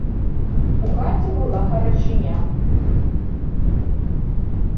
У хаце была гарачыня.